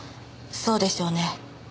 そうでしょうね。